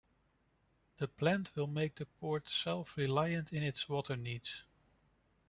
The plant will make the port self-reliant in its water needs.